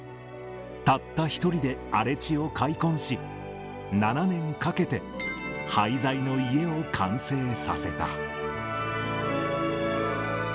たった一人で荒れ地を開墾し、７年かけて、廃材の家を完成させた。